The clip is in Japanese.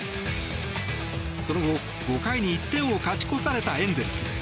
その後、５回に１点を勝ち越されたエンゼルス。